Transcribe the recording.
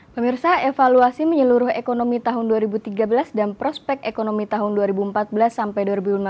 pemirsa evaluasi menyeluruh ekonomi tahun dua ribu tiga belas dan prospek ekonomi tahun dua ribu empat belas sampai dua ribu lima belas